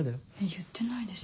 言ってないです。